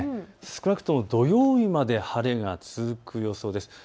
少なくとも土曜日まで晴れが続く予想です。